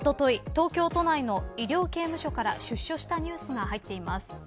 東京都内の医療刑務所から出所したニュースが入っています。